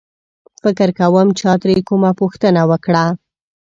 فکر کوم چا ترې کومه پوښتنه وکړه.